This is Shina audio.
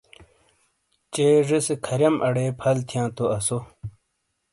چے زے سے کھریم اڑے پھل تھیاں تو آسو